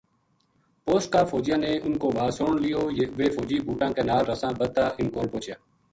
پوسٹ کا فوجیاں نے ان کو واز سن لیو ویہ فوجی بُوٹاں کے نال رساں بدھتا اِنھ کول پوہچیا